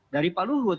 dari pak luhut